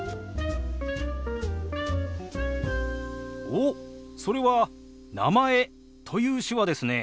おっそれは「名前」という手話ですね。